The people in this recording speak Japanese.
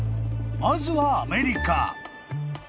［まずはアメリカ］